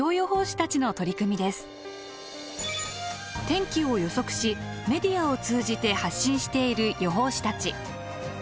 天気を予測しメディアを通じて発信している予報士たち。